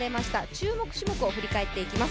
注目種目を振り返っていきます。